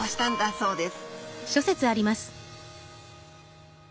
そうです。